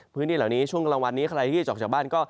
พื้นที่เหล่านี้ช่วงกลางวันนี้ใครที่จะออกจากบ้านก็